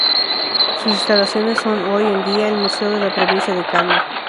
Sus instalaciones son hoy en día el Museo de la Provincia de Kalmar.